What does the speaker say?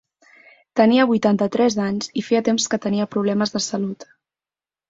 Tenia vuitanta-tres anys i feia temps que tenia problemes de salut.